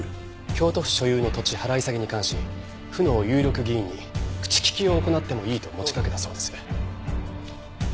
京都府所有の土地払い下げに関し府の有力議員に口利きを行ってもいいと持ちかけたそうです。